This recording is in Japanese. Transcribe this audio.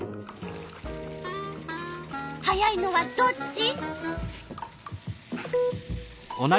速いのはどっち？